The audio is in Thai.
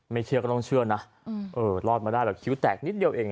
ไม่เคียงก็ต้องเชื่อนะรอดมาได้แบบขิวแตกนิดเดียวเอง